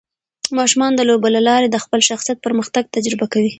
ماشومان د لوبو له لارې د خپل شخصیت پرمختګ تجربه کوي.